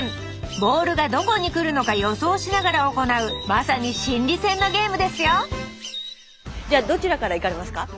ボールがどこに来るのか予想しながら行うまさに心理戦のゲームですよじゃあどちらからいかれますか？